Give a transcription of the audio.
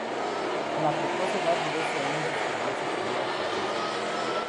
A la precoz edad de doce años escribió su primera tragedia.